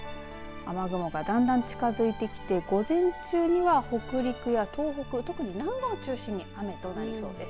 雨雲が、だんだん近づいてきて午前中には北陸や東北、特に南部を中心に雨降りそうです。